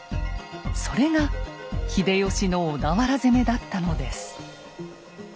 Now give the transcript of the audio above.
それが秀吉の小田原攻めだったのです。